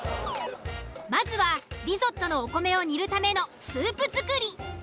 まずはリゾットのお米を煮るためのスープ作り。